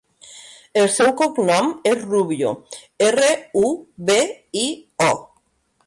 El seu cognom és Rubio: erra, u, be, i, o.